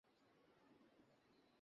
অনেক ভালো লাগবে তোমার।